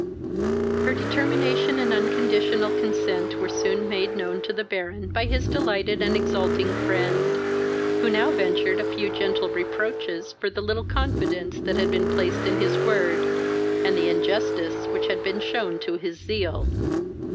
Her determination and unconditional consent were soon made known to the Baron by his delighted and exulting friend, who now ventured a few gentle reproaches for the little confidence that had been placed in his word, and the injustice which had been shewn to his zeal.